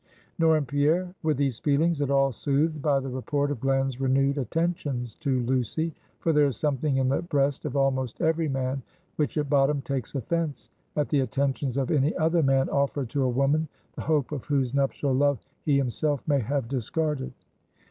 Nor in Pierre were these feelings at all soothed by the report of Glen's renewed attentions to Lucy. For there is something in the breast of almost every man, which at bottom takes offense at the attentions of any other man offered to a woman, the hope of whose nuptial love he himself may have discarded.